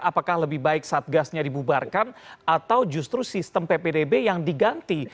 apakah lebih baik satgasnya dibubarkan atau justru sistem ppdb yang diganti